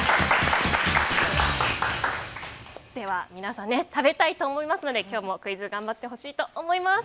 では、皆さん食べたいと思いますので今日もクイズ頑張ってほしいと思います。